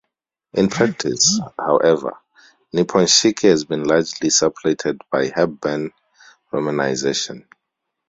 In practice, however, Nippon-shiki has been largely supplanted by Hepburn romanization.